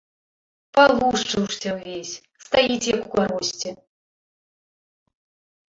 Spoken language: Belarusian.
Палушчыўся ўвесь, стаіць, як у каросце.